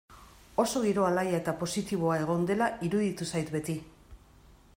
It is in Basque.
Oso giro alaia eta positiboa egon dela iruditu zait beti.